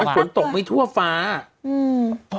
ฝนตกไม่ทั่วฟ้า